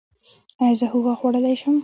ایا زه هوږه خوړلی شم؟